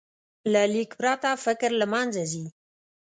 له لیک پرته، فکر له منځه ځي.